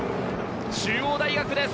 中央大学です。